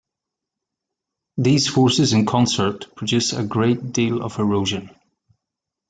These forces in concert produce a great deal of erosion.